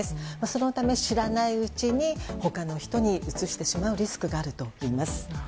そのため、知らないうちに他の人にうつしてしまうリスクがあるといいます。